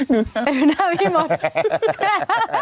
ดูหน้าพี่มด